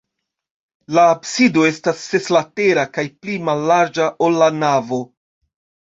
La absido estas seslatera kaj pli mallarĝa, ol la navo.